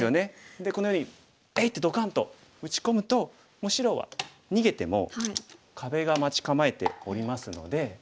でこのように「えい！」ってドカンと打ち込むともう白は逃げても壁が待ち構えておりますので。